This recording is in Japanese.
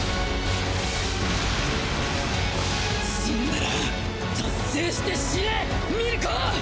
死ぬなら達成して死ねミルコ！